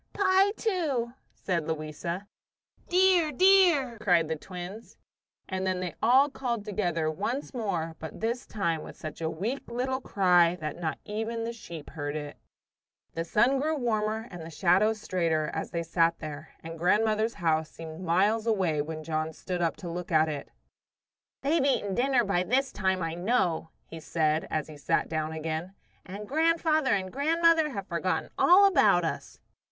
"Pie, too," said Louisa. "Dear, dear!" cried the twins. And then they all called together once more, but this time with such a weak little cry that not even the sheep heard it. The sun grew warmer and the shadows straighter as they sat there, and grandmother's house seemed miles away when John stood up to look at it. "They've eaten dinner by this time, I know," he said as he sat down again; "and grandfather and grandmother have forgotten all about us."